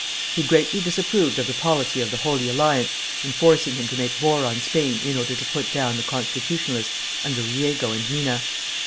He greatly disapproved of the policy of the Holy Alliance in forcing him to make war on Spain in order to put down the Constitutionalists under Riego and Mina.